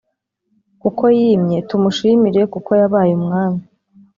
kuko yimye; tumushimire kuko yabaye umwami